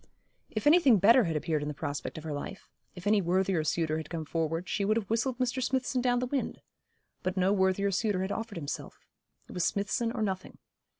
If anything better had appeared in the prospect of her life if any worthier suitor had come forward, she would have whistled Mr. Smithson down the wind; but no worthier suitor had offered himself. It was Smithson or nothing.